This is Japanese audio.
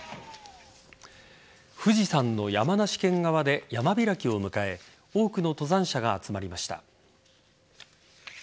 富士山の山梨県側で山開きを迎え多くの登山者が集まりました。